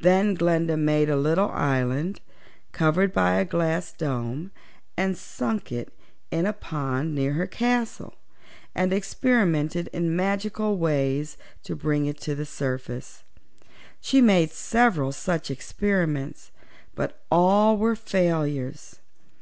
Then Glinda made a little island, covered by a glass dome, and sunk it in a pond near her castle, and experimented in magical ways to bring it to the surface. She made several such experiments, but all were failures.